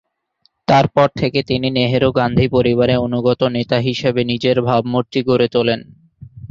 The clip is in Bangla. তারপর থেকে তিনি নেহেরু-গান্ধী পরিবারের অনুগত নেতা হিসেবে নিজের ভাবমূর্তি গড়ে তোলেন।